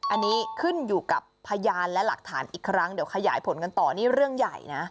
อันนี้ขึ้นอยู่กับพยานและหลักฐานอีกครั้งเดี๋ยวขยายผลกันต่อนี่เรื่องใหญ่นะ